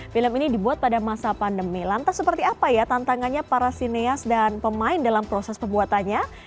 film ini dibuat pada masa pandemi lantas seperti apa ya tantangannya para sineas dan pemain dalam proses pembuatannya